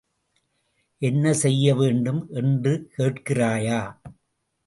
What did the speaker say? என்ன செய்ய வேண்டும் என்று கேட்கிறாயா?